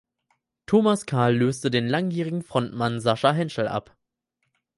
Thomas Karl löste den langjährigen Frontmann Sascha Henschel ab.